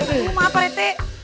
aduh maaf pak rete